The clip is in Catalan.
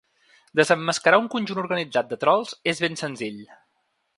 Desemmascarar un conjunt organitzat de trols és ben senzill.